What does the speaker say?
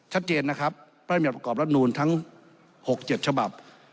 ชัดเจนนะครับพระเมียประกอบรัฐนูลทั้ง๖๗ฉบับ